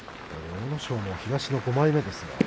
阿武咲も東の５枚目です。